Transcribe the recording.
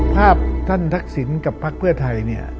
ภาพท่านทักษินกับพรรคเพื่อไทย